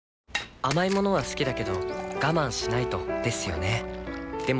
甘い物は好きだけど我慢しないとですよね